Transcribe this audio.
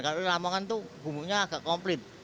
kalau lamongan itu bumbunya agak komplit